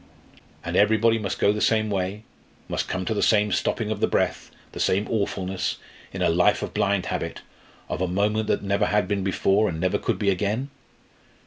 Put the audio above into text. And everybody must go the same way, must come to the same stopping of the breath, the same awfulness in a life of blind habit of a moment that never had been before and never could be again?